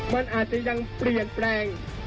มันอาจจะยังเปลี่ยนแปลง